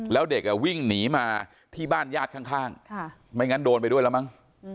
แล้วเด็กวิ่งหนีมาที่บ้านญาติข้างไม่งั้นโดนไปด้วยแล้วมั้ง